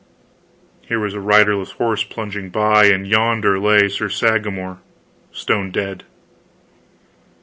Here was a riderless horse plunging by, and yonder lay Sir Sagramor, stone dead.